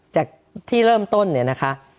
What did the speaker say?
จากที่เริ่มต้นเนี่ยนะคะ